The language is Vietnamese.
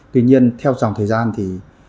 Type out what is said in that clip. tuy nhiên theo dòng thời gian thì